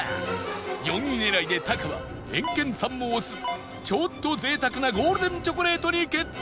４位狙いでタカはエンケンさんも推すちょっと贅沢なゴールデンチョコレートに決定